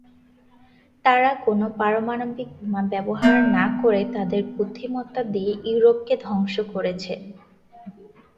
তারা কোন পারমাণবিক বোমা ব্যবহার না করে তাদের বুদ্ধিমত্তা দিয়ে ইউরোপকে ধ্বংস করেছে।